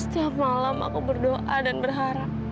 setiap malam aku berdoa dan berharap